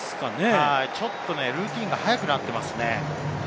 ちょっとルーティンが早くなっていますね。